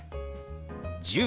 「１０」。